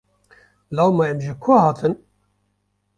Law me em ji ku hatin?